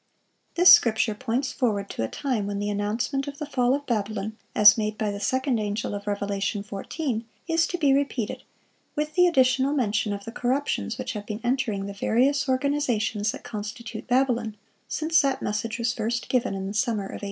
(1042) This scripture points forward to a time when the announcement of the fall of Babylon, as made by the second angel(1043) of Revelation 14, is to be repeated, with the additional mention of the corruptions which have been entering the various organizations that constitute Babylon, since that message was first given, in the summer of 1844.